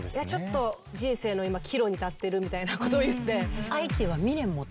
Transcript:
人生の今岐路に立ってるみたいなことを言って。